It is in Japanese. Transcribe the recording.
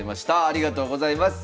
ありがとうございます。